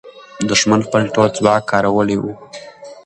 دښمن خپل ټول ځواک کارولی وو.